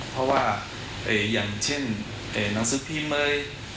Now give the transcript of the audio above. เพราะว่าอย่างเช่นหนังสือพิมพ์เมย์